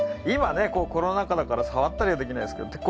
今ねコロナ禍だから触ったりはできないですけど。